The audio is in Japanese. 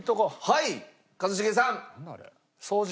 はい一茂さん。